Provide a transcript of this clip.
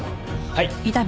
はい。